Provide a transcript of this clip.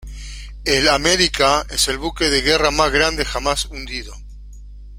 El "America" es el buque de guerra más grande jamás hundido.